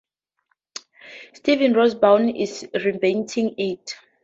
Steven Rosenbaum is reinventing it.